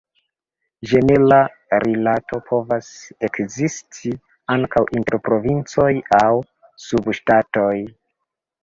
Ĝemela rilato povas ekzisti ankaŭ inter provincoj aŭ subŝtatoj.